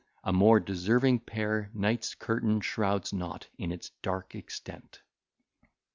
A more deserving pair night's curtain shrouds not in its dark extent.